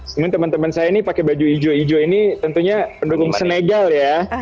sebenarnya teman teman saya ini pakai baju hijau hijau ini tentunya pendukung senegal ya